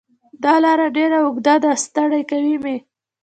دا لار ډېره اوږده ده ستړی کوی مې